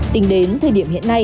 tính đến thời điểm hiện nay